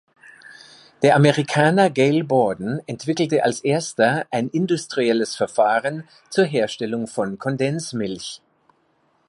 Der Amerikaner Gail Borden entwickelte als erster ein industrielles Verfahren zur Herstellung von Kondensmilch.